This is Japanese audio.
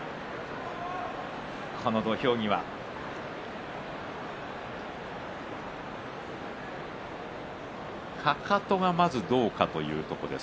この土俵際かかとがどうかというところです。